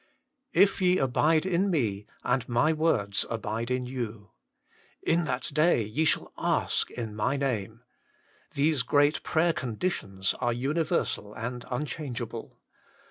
" If ye abide in Me, and My words abide in you ";" In that day ye shall ask in My Name ": these great prayer conditions are universal and unchangeable.